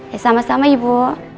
ya sama sama ibu